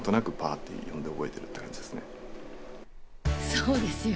そうですよ。